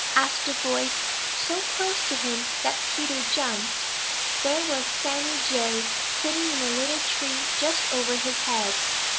asked a voice so close to him that Peter jumped. There was Sammy Jay sitting in a little tree just over his head.